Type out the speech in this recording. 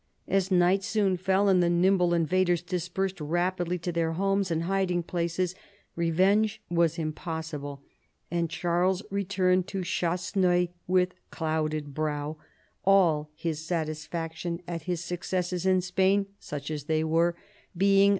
As night soon fell and the nimble invaders dispersed rapidly to their homes and hiding places, revenge was impossible, and Charles returned to Chasseneuil with clouded brow, all his satisfaction at his successes in Spain — such as they were — being RONCESVALLES.